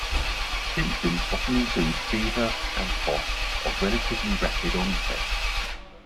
Symptoms often include fever and cough of relatively rapid onset.